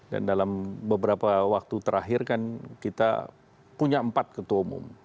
dan dalam beberapa waktu terakhir kan kita punya empat ketua umum